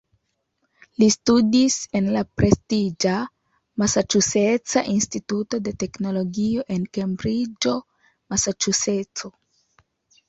Li studis en la prestiĝa "Masaĉuseca Instituto de Teknologio" en Kembriĝo, Masaĉuseco.